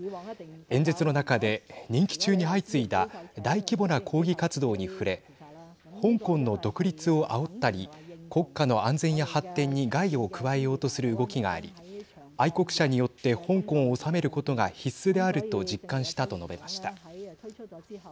演説の中で任期中に相次いだ大規模な抗議活動に触れ香港の独立をあおったり国家の安全や発展に害を加えようとする動きがあり愛国者によって香港を治めることが必須であると実感したと述べました。